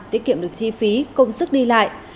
giảm bớt được chi phí công sức đi lại